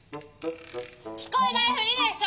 「聞こえないふりでしょ！」。